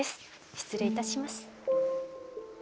失礼いたします。